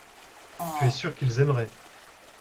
tu es sûr qu'ils aimeraient.